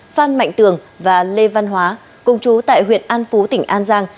phan mạnh tường và lê văn hóa cùng chú tại huyện an phú tỉnh an giang